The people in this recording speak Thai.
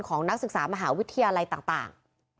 นักศึกษามหาวิทยาลัยต่าง